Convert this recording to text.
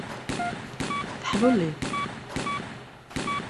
Teḥluliḍ.